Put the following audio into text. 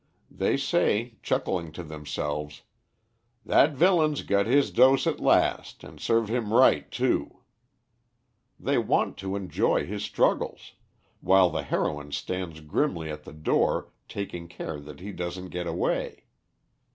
They say, chuckling to themselves, 'that villain's got his dose at last, and serve him right too.' They want to enjoy his struggles, while the heroine stands grimly at the door taking care that he doesn't get away.